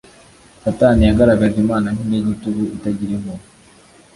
Satani yagaragaje Imana nk'inyagitugu itagira impuhwe.